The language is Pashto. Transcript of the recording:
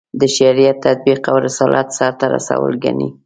د شریعت تطبیق او رسالت سرته رسول ګڼي.